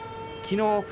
きのう